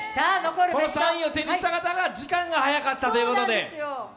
３位を手にした方が時間が早かったということで。